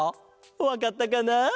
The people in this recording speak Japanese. わかったかな？